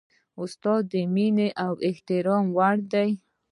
استاد د مینې او احترام وړ دی.